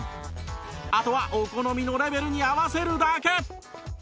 あとはお好みのレベルに合わせるだけ